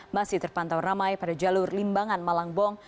masih terpantau ramai pada jalur limbangan malangbong